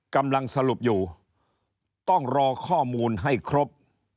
กำลังสรุปอยู่ต้องรอข้อมูลให้ครบ